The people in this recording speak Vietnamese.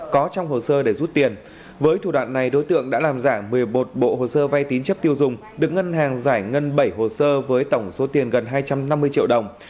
có trong hồ sơ để rút tiền với thủ đoạn này đối tượng đã làm giả một mươi một bộ hồ sơ vay tín chấp tiêu dùng được ngân hàng giải ngân bảy hồ sơ với tổng số tiền gần hai trăm năm mươi triệu đồng